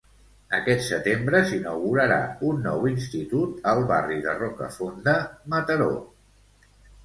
Aquest setembre s'inaugurarà un nou institut al barri de Rocafonda, Mataró.